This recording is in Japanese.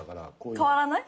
変わらない？